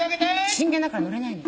真剣だから乗れないの。